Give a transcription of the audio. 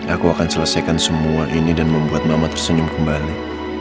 aku akan selesaikan semua ini dan membuat mama tersenyum kembali